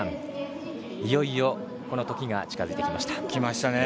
いよいよ、このときが近づいてきました。